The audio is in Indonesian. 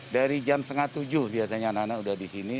dari jam setengah tujuh biasanya anak anak sudah di sini